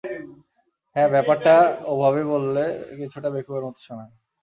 হ্যাঁ, ব্যাপারটা ওভাবে বললে, কিছুটা বেকুবের মত শোনায়।